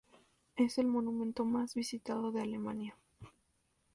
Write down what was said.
Es el monumento más visitado de Alemania.